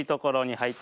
はい。